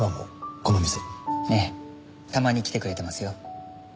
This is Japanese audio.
ええたまに来てくれてますよ。